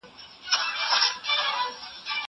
کېدای سي زه سبا درس ولولم!